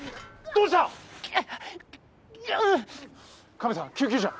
カメさん救急車！